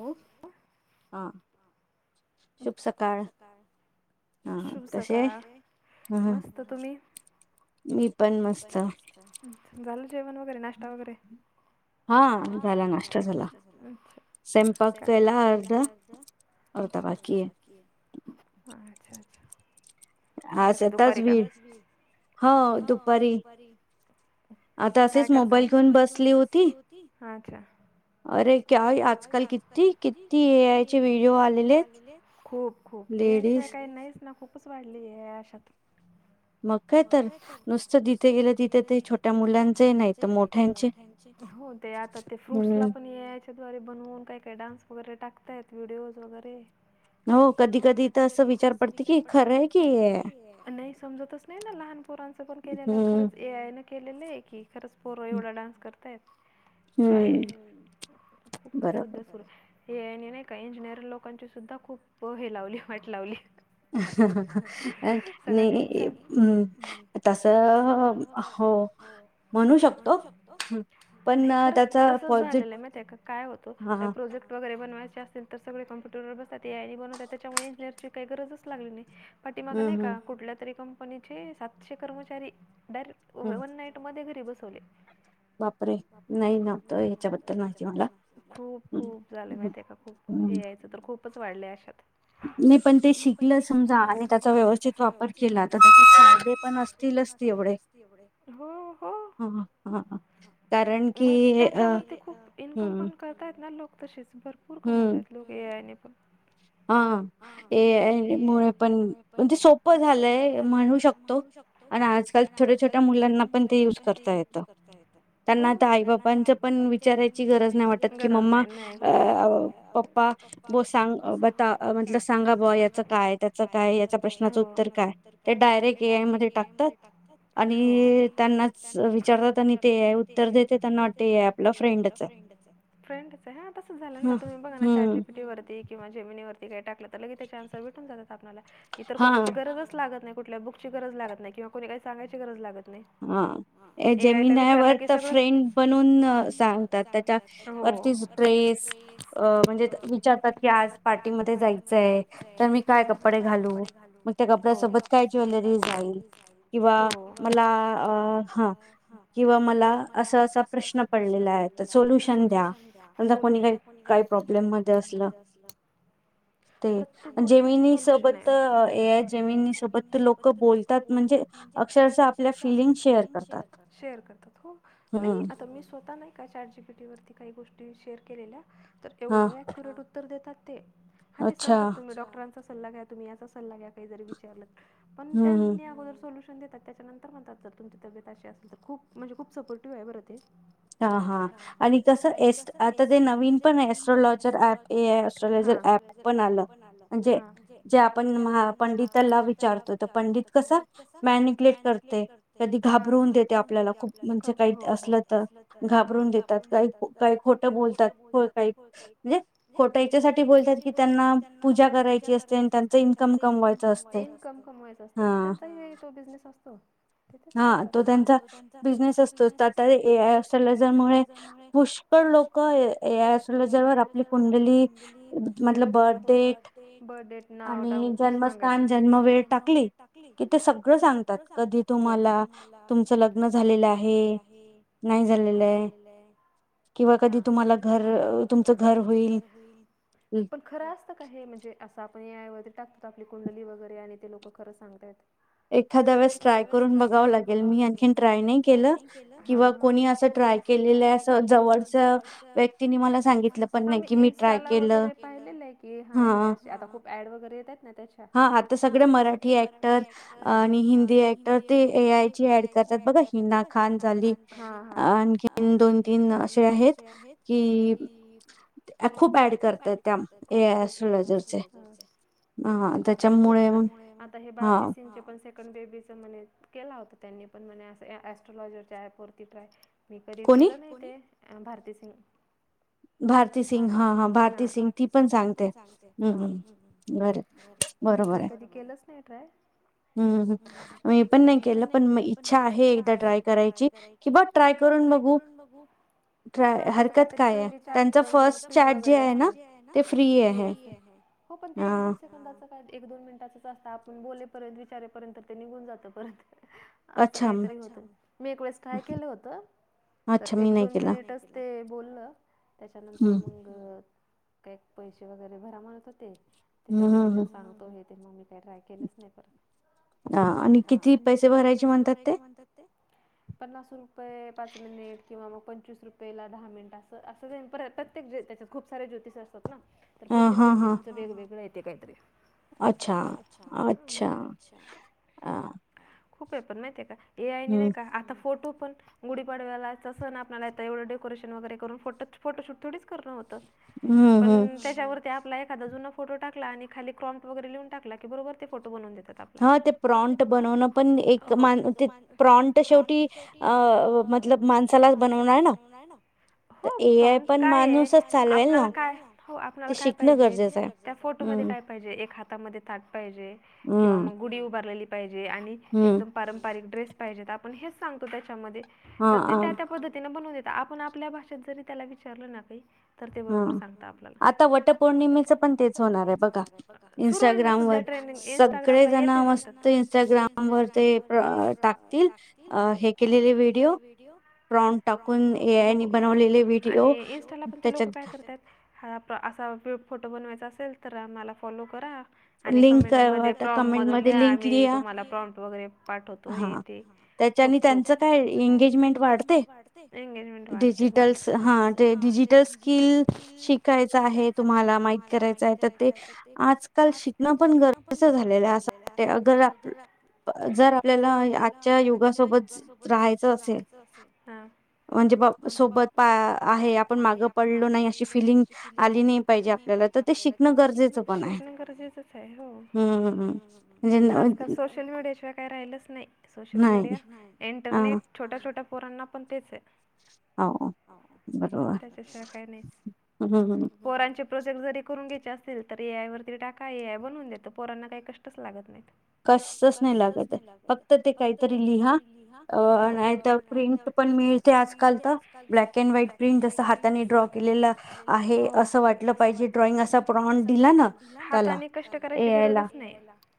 हो. हा. शुभ सकाळ. शुभ सकाळ! मस्त तुम्ही? मी पण मस्त. झालं जेवण वगैरे नाष्टा वगैरे? हा. झाला नाष्ट् झाला. स्वयंपाक केला अर्धा. अच्छा! अच्छा! अच्छा! आता काय दुपारी का? हो दुपारी. काय करतात? असाच मोबाईल घेऊन बसली होती. हा अच्छा! अरे! क्या? आजकाल किती किती एआयचे व्हिडिओ आलेले. खूप. खूप ए आय अशिवाय काही नाहीच ना खूपच वाढली ए आय अशात. मग काय तर नुसतं तिथे गेलं तिथे ते छोट्या मुलांचे नाही तर मोठ्यांचे हो. ते आता ते फ्रूट्स ला पण ए आय चे त्याच्याद्वारे बनवून काय काय डान्स वगैरे टाकत व्हिडिओज वगैरे. हो कधी कधी तर असं विचार पडत की खरं आहे की खरं आहे की हे. नाही समजतच नाही ना. लहान पोरांचं पण केलेलं खरंच ए आय न केलेलं आहे की. खरंच पोर एवढा डान्स करताय. काय खूपच सद्या हे नाही का इंजिनिअर लोकांची सुद्धा खूप हे लावली वाईट लावली. सगळं सगम् तस हो म्हणू शकतो. हे खरंच तसच झालेलं आहे माहित आहे का? काय होतो? काही प्रोजेक्ट वगैरे बनवायचा? तर सगळे कॉमपुटर बसतात. ए एय ने बनवतात त्याच्यामुळे इंजिअरची काय गरजच लागली नाही. पाठीमाग नाही का? कुठल्या तरी कंपनीचे सातशे कर्मचारी डायरेक्ट वन नाईट मध्ये घरी बसवले. बाप रे! याच्याबद्दल खूप खूप झालं माहित आहे का! खूप हे तर खूपच वाढले अशात. न पण ते शिकलं समजा जर समजा, त्याचा व्यवस्थित वापर केला तर [unintelligible] पण असतीलच हो हो. मग त्याच्यावरती खूप इन्कम पण कर करतायेत ना लोक तसेच भरपूर कमवतय आहेत लोक ए आय पण. हा. ए आय मुळे पण म्हणजे सोपं झालंय म्हणू शकतो, पण आजकाल छोट्या छोट्या मुलांना पण ते युज करतो करता येत. त्यांना आता आई बापांच पण विचारायची गरज नाही वाटत की मम्मा अ पप्पा ब सांग बता म्हटलं सांगा बो याचं काय त्याच त्याच काय प्रश्नाच उत्तर काय? ते डायरेक्ट ए आय मध्ये टाकतात आणि त्यांनाच विचारत. आणि ते ए आय उत्तर देते त्यांना वाटते ए आय आपला फ्रेंडच आहे. फ्रेंडच आहे. ह तसंच झालं ना. तुम्ही बघा ना चॅट जीपीटी वरती किंवा जे मी नाय वरती काय टाकलं तर लगे त्याचे आंसर भेटून जातात आपल्याला. इतर कोणाची गरजच लागत नाही. कुठल्या बुकची गरज लागत नाही. किंवा कोणी काही सांगायची गरज लागत नाही. ह. ए आयला विचारलं की सगळं फ्रेंड बनून सांगतात. हो. ऍक्टिव्ह ड्रेस अ म्हणजे विचारतात की आज पार्टीमध्येध्ये जायचंय मी काय कपडे घालू? हो. कपड्यासोबत काय ज्वेलरीज आहे? हो. मला हा किंवा मला अस असा प्रश्न पडलेला आहे, सोल्युशन द्या. सोल्युशन. आता कोणी काही प्रॉब्लेम मध्ये असलं ह्म्म्म जे [unintelligible] ऐ आय जेमिनी सोबत लोक बोलतात म्हणजे अक्ष कस आपल्या फील्ड फीलिन्ग शेअर करतात. मी स्वत नाही का चॅट जी पीटी वरती काही गोष्टी शेअर केलेल्या तर एवढं अक्युरेट उत उत्तर देतात, ते हा ते सांगतात तुम्ही डॉक्टरांचा सल्ला घ्या तुम्ही याचा सल्ला घ्या काही जरी विचारलं, पण त्यांनी अगोदर सोल्यश त्याच्यानंतर म्हणतात तुमची तबेत अशी असेल तर खूप म्हणजे खूप सपोर्टिव्ह आहे बर ते, हा हा आणि तस एस आता ते नवीन पण एस्ट्रलॉजर अँप ऐ आय अस्ट्रोलजर. ते ॲप पण आल. जे आपण पंडित ला विचारतो तर पंडित कसा मॅनिकलेट करते. कधी घाबरवून देते आपल्याला खूप म्हणजे काही असल. घाबरून देतात काही काही खोटं बोलतात काही म्हणजे खोटं याच्यासाठी बोलतात की त्यांना पूजा कर पूजा करायची असते आणि त्यांच इन्कम क इन्कम कमवायचं असतं. इन्कम कमवायचं असतंना त्यांचा तो बिझनेस असतो. हा तो त्यांचा बिझनेस असतो आता ए आय अस्ट्रोलजर मुळे पुष्ठ कळ लोक हे ए आय अस्ट्रोलजर वर आपली कुंडली ममतलब बर्थडेट, बर्डेट नाव ट सांगायचं जन्म वेळ टाकली कि ते सगळं सांगतात. कि तुम्हाला तुमचं लग्न झालेलं आहे नाही झालेलं आहे. किंवा कधी तुम्हाला घ तुमच घर होईल पण खरं असत का म्हण, असं आपण ए आय वरती टाकतो आपली कुंडली वगैरे आणि ते लोकं खर सांगतयात. एखाद्या वेळेस ट्राय करून बघाव लागेल मी आणखी ट्राय नाही केल किंवा कोणी ट्राय केलेलं आहे अस जवळच व्यक्तीनी मला सांगीतलं. हा मी इंस्टाला वगैरे पाहिले. हे आहे अशा आता खुप ऍड वगैरे येतात न त्याच्या. हा आता सगळे मराठी ऍक्टर आणि हिंदी ऍक्टर ते ए आय ची ऍड करतात बघा हिना खान झाली. ह आणखीन दोन तीन असे आहेत कि, खूप ऍड करतय त्या ए आय अस्ट्रोलजर. करताय खूपण. आ ता हे भारती सिंग चे बेबीच म्ह केला होत त्यांनी पण म्हने स्ट्रलॉजरच्या अँप वरती ट्राय. मी कधी केल नाही ते. कोणी? भारती सिंग, भारती सिंग हा हा भारती सिंग ती पण सांगते. हम् हम्, अरे बर बरोबर आहे. हम् मी पण नाही केलं पण म इच्छा आहे एकदा ट्राय करायची. किंवा ट्राय करून बघु. हा त्याच काहीतरी प चॅट पण फी वगैरे असतं पण पण ते एक दोन सेकंदा एक दोन मिनिटाचच असत आपण बोलेपर्यंत विचारेपर्यंत ते निघून जात परत, असं काहीतरी होत मी एक वेळेस ट्राय केलं होतं. तर एक दोन मिनिटच ते बोललं त्याच्यानंतर मग, काय पैसे वगैरे भरा मारत होते त्याच्यामुळे नंतर सांगतो हे ते मग मी काय ट्राय केलेच नाही परत आणि किती पैसे भरायचे म्हणतात ते, पन्नास रुपये पाच मिनिट किंवा मग पंचवीस रुपयेला दहा मिनिट असं असंईन प्रत्येक त्याच्या, खूप सारे ज्योतिष असतात ना तर प्रत्येक ज्योतिषच वेगवेगळं येते काहीतरी, अच्छा अच्छा, हा. खूप आहे पण माहिित आहे का ए आय न नाही का आता फोटो पण, गुढीपाडव्यालाच सण आपल्यालाेत एवढ डेकोरेशन वगैरे करून फोटो फोटोशूट थोडीचकरण होत. पण त्याच्यावरती आपला एक, एखादा जुना फोटो टाकला आणि खाली क्रोम्ट वगैरे लिहून टाकला तर बरोबर ते फोटो बनवून देतात. हा ते प्रोम्पटं बनवणं पण एक मान, ते प्रोम्पटं शेवटी -टी अं मतलब माणसाला बनवणं हाय ना? हो [unintelligible] काय आहे आपनाला काय, हो आपनाला काय पाहिजे. त्या फोटोमध्ये काय पाहिजे, एक हातामध्ये ताट पाहिजे किंवा मग गुढी उभारलेली. पाहिजे आणि एकदम पारंपरिक ड्रेस पाहिजेत, आपण हेच सांगतो त्याच्यामध्ये तर ते त्या, त्या पद्धतीने बनवून देतात आपण आपल्या भाषेत जरी त्याला विचारलं ना काही तर ते बरोबर सांगता आपल्याला [unintelligible] पण तेच होणार ए बगा, सुरू ए ना सध्या ट्रेनिंग, इन्स्टाग्रामला येतेय सतत. इस्टाग्राम वर ते टाकतील, हे केलेले व्हिडिओ. प्रॉम्पट टाकून, ए आयने बनवलेले व्हिडिओ, त्याच्यात काय करतायेत, हा असा पि, फोटो बनवायचा असेल तर, माला फॉलो करा. आणि कमेंट मध्ये प्रॉम मधून लिहा मी तुम्हाला प्रॉम्ट वगैरे पाठवतो हे ते त्यांच्यानी त्यांच काय एगेंजमेंट वाढते? एगेंजमेंट वाढते, हो. डीजिटलस् हा ते कील, शिकायचं आहे तुम्हाला, माहीत करायचं आहे तर ते, आज आजकाल शिकणं पण गरजचं झालेलं आहे असं. जर आपल्याला आजच्या युगासोबत राहायचं असेल हा. म्हणजे, बा सोबत पा आहे, आपण मागं पडलो नाही, अशी फिलिंग आली नाही पाहिजे आपल्याला. तर ते शिकणं गरजेचं पण आहे. गरजेचे आहे, हो आजकाल सोश [unintelligible] शिवाय काय राहिलंच नाई, सोशल मीडिया, इंटरनेट- छोट्या-छोट्या पोरांना पण तेच आहे. त्याच्याशिवाय काय नाहीच, पोरांचे प्र -जेक्ट जरी करून घ्यायचे असतील, तर ए आय वरती टाका, ए आय बनवून देतं. पोरांना काई कष्टच लागत नाई. कसच नाही लागतये, फक्त ते काहीतरी लिहा, नाहीतर प्रिंट पण मिळते आजकाल तर, ब्लॅक अड व्हाईट प्रिंट जसं हाताने ड्रॉ केलेला आहे अस वाटलं पाहिजे ड्रॉइंग असं प्रॉम्ट दिला ना त्याला,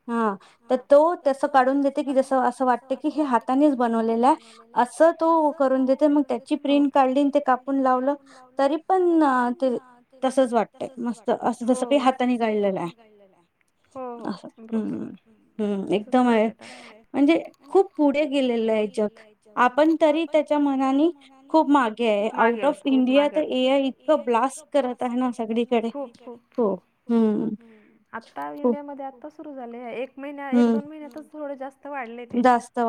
हा. तर तो तसं काढून देते की, जसं असं वाटत की हे हातानेच बनवलेलं ए, असं तो करून देते, मग त्याची प्रिंट काढली, ते कापून लावलं तरी पण ते. तसंच वाट मस्त असं जसं काई, हातानी काढलेलं ए. असं, हम्म. हम्म, एकदम आहे, म्हणजे खूप पुढे गेलेलं आहे जग, आपण तरी त्याच्या मनानी खूप मागे आहे, आउट ऑफ इंडिया तर ए आय इतकं ब्लास्ट. करत आहे ना सगळीकडे, हो हम्म. आता इंडियामध्ये आता सुरु झाले एक महिन्या एक दोन महिन्यातच थोड जास आता वाढले ते,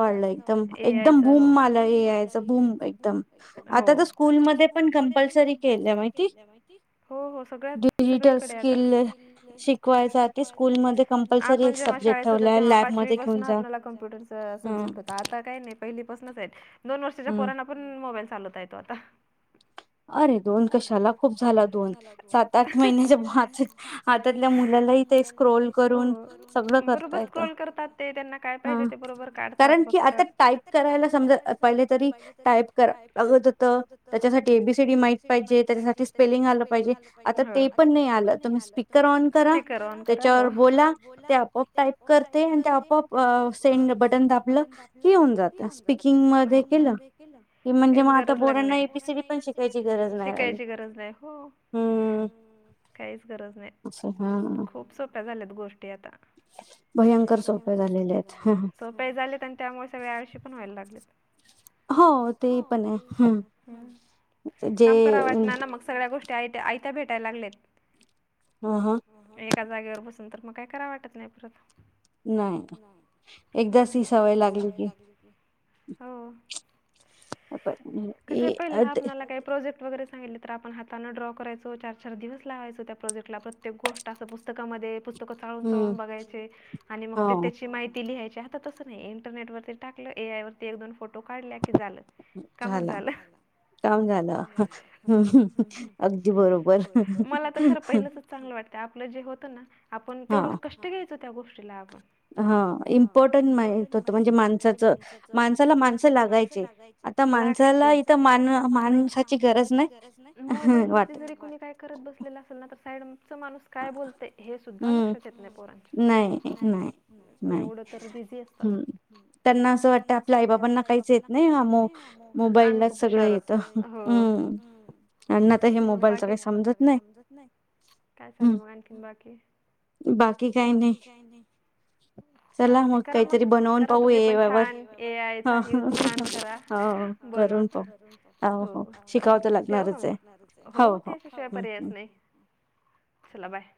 जास्त वाढलय, ए आयच [unintelligible] आता तर स्कूलमध्ये पण कंपल्सरी केलं माहिती? हो हो सगळ्या सगळीकडे आता, हे तर स्किल ए, आपण जेव्हा शाळेेत होतो, तेव्हा पाचवी पास्नं आपणाला कंप्यूटरच सब्जेक्ट होता, आता काय नाही पहीलीपासनच आहेत, दोन वर्षाच्या पोरांना पण पण मोबाईल चालवता येतो आता. अरे दोन कशाला खूप झाला दोन सात आठ महिन्याच्या [unintelligible] हातातल्या मुलालाही ते स्क्रोल करून सगळं करता येत. हा, कारण की आ टायप करायला समजा पहिलं तरी टाईप करा लागत होत त्याच्यासाठी एबीसीडी माहीत पाहिजे त्याच्यासाठी स्पेलिंग आलं पाहिजे. आता ते पण नाही आलं तुम्ही स्पीकर ऑन करा त्याच्यावर बोला ते आप टाईप करते आणि ते आपोआप सेंड बटन दापलं की येऊन जातं स्पीकिंग मध्ये केलं. काहीच गरज लागल पण शिकायची गरज नाही हो. काहीच गरज नाही खूप सोप्या झाल्यात गोष्टी आता. भयंकर सोपे झालेले आहेत हा. झालेत आणि त्यामुळे सग्या आळशी पण व्हायला लागलेत. हो ते पण काम कराव वाट ना ना मग सगळ्या गोष्टी आयता भेटायला लागल्यात. ह ह एका जागेवर बसून तर मग काय कराय वाटत नाही परत. नाही एकदा त ही सवय लागली की हो कस पहिल आपला काही प्रोजेक्ट वगैर सांगितले तर आपण हाता ड्रॉ करायच. चार चार दिवस लावायचो त्या प्रोजेक्ट ला प्रत्येक गोष्ट अस पुस्तकामध्ये ळून चळून बघायचे आणि मग ते त्याची माहिती लिहायच्या. आता तसं नाही इंटरनेट वरती टाकलं एआयवरती एक दोन फोटो काढल्या की झालं. कामच झालं काम झालं. दी मला तर खरं पहिलंच चांगलं वाटतं आपलं जे होतं ना आपण तेवढं कष्ट कीती घ्यायचं त्या गोष्टीला आपण? हा इम्पॉर्टंट माहित होत म्हणजे माणसाचं माणसाला माणसं लागायचे. [unintelligible] चला माणची गरज नाही मोल वती त कोणी काय करत बसलेलं असेल ना तर साईड माणुस काय बोलते हे सुद्धा लक्षात येत नाही पोरांच्या नाही एवढं तर बिझी असत त्यांना असं वाटतं आपल्या आई बाबांना काहीच येत नाही आम्ही खूप हुशार आहो सग् बाकी मोबाईलच काही समजत नाही. काय चाल म आणखीन बाकी? बाकी काय नाही. चाल ते करा मग करा तुम्ही पण छान ए आयचा यूज छान करा. बनू हो चालत ठेव का म हो त्याच्याशिवाय पर्यायच नाही. चला बाय.